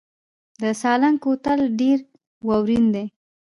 د سالنګ کوتل ډیر واورین دی